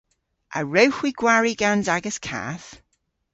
A wrewgh hwi gwari gans agas kath?